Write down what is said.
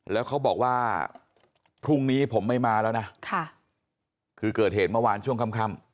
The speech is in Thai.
แล้วเขาบอกว่าพรุ่งนี้ผมไม่มาแล้วนะคือเกิดเหตุเมื่อวานช่วงค่ำ